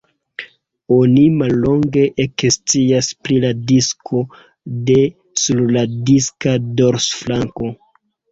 Oni mallonge ekscias pri la disko de sur la diska dorsflanko.